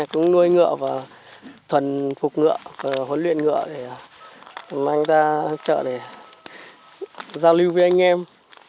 cũng nuôi ngựa và phần phục ngựa huấn luyện ngựa để mang ra chợ để giao lưu với anh em